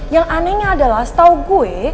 yang anehnya adalah setau gue